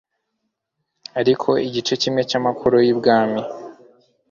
ariko igice kimwe cy'amakoro y'i Bwami